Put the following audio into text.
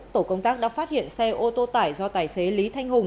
tổ công tác đã phát hiện xe ô tô tải do tài xế lý thanh hùng